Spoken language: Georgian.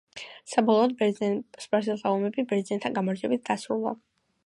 საბოლოოდ, ბერძენ-სპარსელთა ომები ბერძენთა გამარჯვებით დასრულდა.